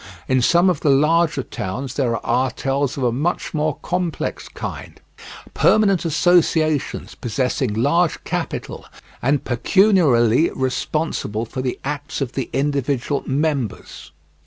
In some of the larger towns there are artels of a much more complex kind— permanent associations, possessing large capital, and pecuniarily responsible for the acts of the individual members."